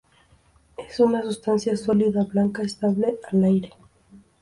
Es una sustancia sólida blanca, estable al aire.